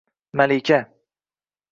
malika.